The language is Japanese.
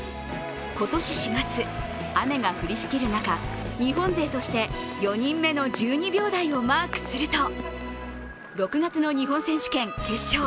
今年４月、雨が降りしきる中、日本勢として４人目の１２秒台をマークすると、６月の日本選手権、決勝。